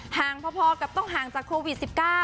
ห่างพอกับต้องห่างจากโควิด๑๙